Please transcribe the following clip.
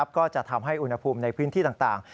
ก็จะทำให้อุณหภูมิในพื้นที่ต่าง